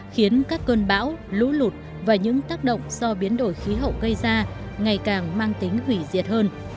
khiến các cơn bão lũ lụt và những tác động do biến đổi khí hậu gây ra ngày càng mang tính hủy diệt hơn